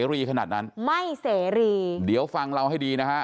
เรื่องการรักษาเรื่องการแพทย์เพิ่มรายได้เพิ่มเศรษฐกิจ